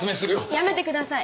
やめてください。